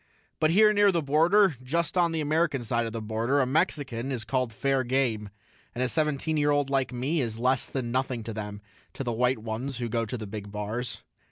But here near the border, just on the American side of the border, a Mexican is called fair game, and a seventeen year old like me is less than nothing to them, to the white ones who go to the big bars.